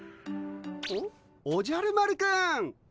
おじゃる丸くん。